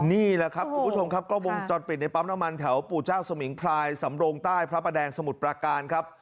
นี่แหละครับคุณผู้ชมครับกล้องวงจรปิดในปั๊มน้ำมันแถวปู่เจ้าสมิงพรายสำโรงใต้พระประแดงสมุทรประการครับ